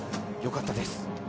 よかったです。